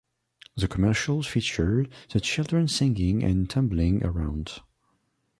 The commercials featured the children singing and tumbling around.